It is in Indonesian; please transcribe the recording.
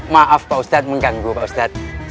maaf pak ustadz mengganggu pak ustadz